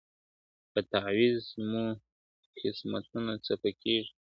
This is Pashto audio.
په تعویذ مو قسمتونه چپه کیږي !.